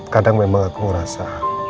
kadang memang aku ngerasa